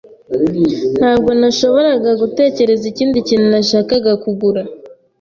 Ntabwo nashoboraga gutekereza ikindi kintu nashakaga kugura.